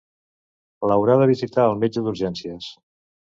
L'haurà de visitar el metge d'urgències.